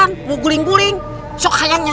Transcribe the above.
mau berjalan mau guling guling so kayaknya